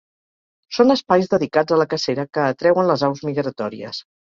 Són espais dedicats a la cacera que atreuen les aus migratòries.